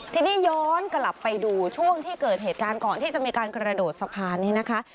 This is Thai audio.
ทีนี้ย้อนกลับไปดูช่วงที่เกิดเหตุการณ์ก่อนที่จะมีการกระโดดสะพานนี้นะคะ